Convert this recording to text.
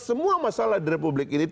semua masalah di republik ini